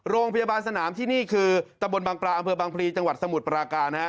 โรงพยาบาลสนามที่นี่คือตะบนบางปลาอำเภอบางพลีจังหวัดสมุทรปราการฮะ